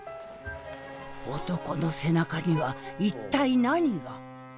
男の背中には一体何が？